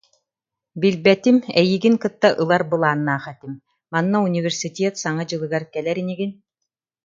Билбэтим, эйигин кытта ылар былааннаах этим, манна университет Саҥа дьылыгар кэлэр инигин